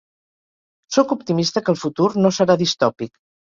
Sóc optimista que el futur no serà distòpic.